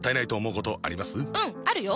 うんあるよ！